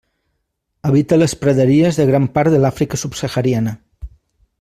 Habita les praderies de gran part de l'Àfrica subsahariana.